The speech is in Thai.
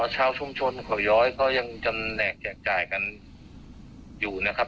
ชาวชุมชนเขาย้อยก็ยังจำแหนกแจกจ่ายกันอยู่นะครับ